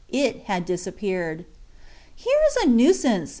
It had disappeared. "Here is a nuisance!"